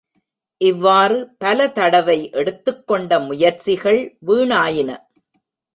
இவ்வாறு பல தடவை எடுத்துக்கொண்ட முயற்சிகள் வீணாயின.